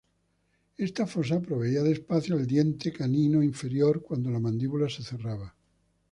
Esta fosa proveía de espacio al diente canino inferior cuando la mandíbula se cerraba.